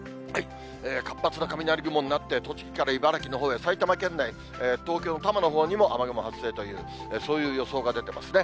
活発な雷雲になって、栃木から茨城のほうへ、埼玉県内、東京・多摩のほうにも雨雲発生という、そういう予想が出てますね。